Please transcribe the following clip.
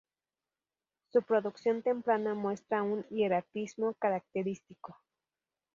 Su producción temprana muestra un hieratismo característico.